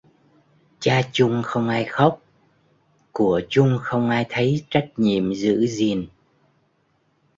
Cha chung không ai khóc: của chung không ai thấy trách nhiệm giữ gìn